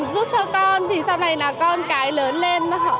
giúp cho con sau này con cái lớn lên